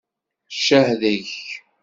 Ccah deg-k.